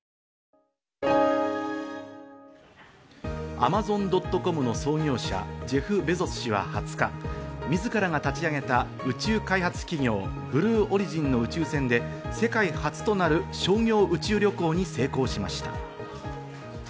アマゾン・ドット・コムの創業者ジェフ・ベゾス氏は２０日、自らが立ち上げた宇宙開発企業・ブルーオリジンの宇宙船で世界初となる商業宇宙旅行に成功しました。